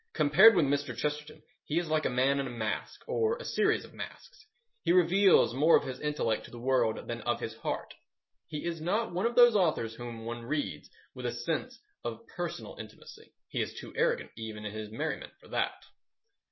Compared with Mr. Chesterton he is like a man in a mask, or a series of masks. He reveals more of his intellect to the world than of his heart. He is not one of those authors whom one reads with a sense of personal intimacy. He is too arrogant even in his merriment for that.